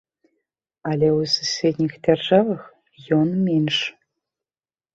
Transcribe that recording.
Але ў суседніх дзяржавах ён менш.